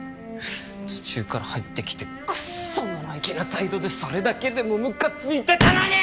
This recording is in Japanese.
途中から入ってきてクソ生意気な態度でそれだけでもムカついてたのに！